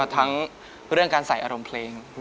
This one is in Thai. ทั้งเรื่องการใส่อารมณ์เพลง